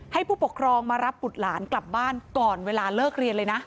ผู้ปกครองมารับบุตรหลานกลับบ้านก่อนเวลาเลิกเรียนเลยนะ